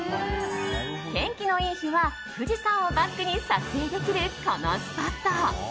天気のいい日は富士山をバックに撮影できるこのスポット。